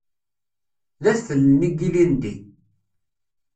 D adfel-nni n yilindi.